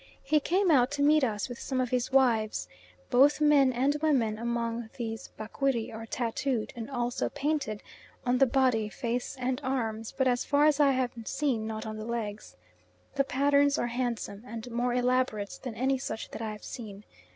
He came out to meet us with some of his wives. Both men and women among these Bakwiri are tattooed, and also painted, on the body, face and arms, but as far as I have seen not on the legs. The patterns are handsome, and more elaborate than any such that I have seen.